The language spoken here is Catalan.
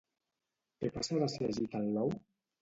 Què passarà si agiten l'ou?